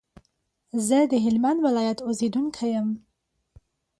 زه د هلمند ولايت اوسېدونکی يم